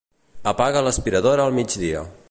Apaga l'aspiradora al migdia.